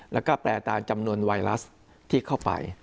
แล้วก็แปลตามจำนวนไวรัสที่เข้าไป